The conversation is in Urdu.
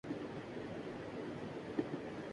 پی آئی اے کی کہانی بھی اس سلسلے کی ایک علامت ہے۔